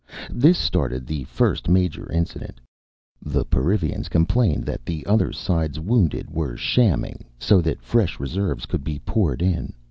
This started the first major incident: the Perivians complained that the other side's wounded were shamming so that fresh reserves could be poured in.